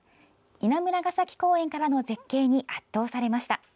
稲村ケ崎公園からの絶景に圧倒されました。